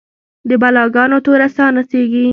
د بلا ګانو توره ساه نڅیږې